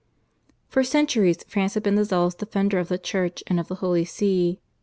For centuries France had been the zealous defender of the Church and of the Holy See.